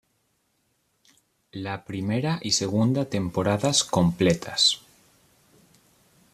La primera y segunda temporadas completas".